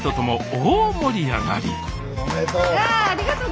おめでとう！